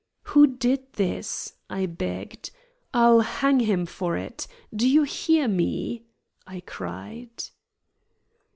"Who did this?" I begged. "I'll hang him for it! Do you hear me?" I cried.